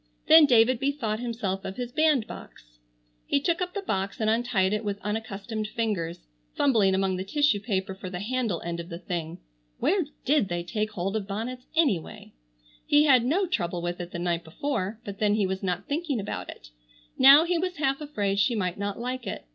Then David bethought himself of his bandbox. He took up the box and untied it with unaccustomed fingers, fumbling among the tissue paper for the handle end of the thing. Where did they take hold of bonnets anyway? He had no trouble with it the night before, but then he was not thinking about it. Now he was half afraid she might not like it.